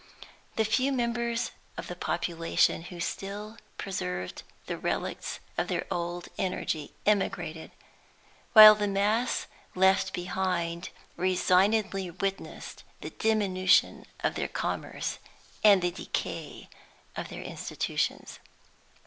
The few members of the population who still preserved the relics of their old energy emigrated, while the mass left behind resignedly witnessed the diminution of their commerce and the decay of their institutions.